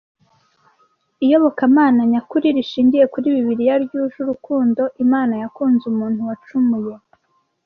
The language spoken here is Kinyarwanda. Iyobokamana nyakuri rishingiye kuri Bibiliya ryuje urukundo Imana yakunze umuntu wacumuye